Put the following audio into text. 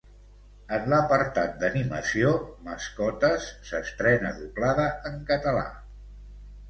En l'apartat d'animació, “Mascotes” s'estrena doblada en català.